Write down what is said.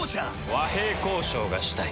和平交渉がしたい。